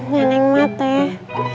neneng mah teh